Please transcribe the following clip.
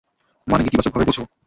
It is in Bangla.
মানে ইতিবাচকভাবে বোঝো।